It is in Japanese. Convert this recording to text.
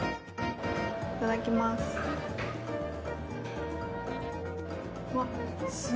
いただきます。